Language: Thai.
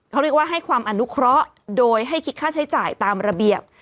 เขาเรียกว่าให้ความอนุเคราะห์โดยให้คิดค่าใช้จ่ายตามระเบียบ